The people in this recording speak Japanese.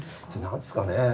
何ですかねえ。